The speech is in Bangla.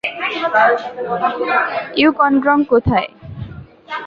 ইউ কনগ্রং কোথায়?